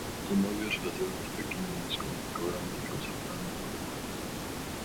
Son aves relativamente pequeñas, con pico grande, cabeza plana y cola corta.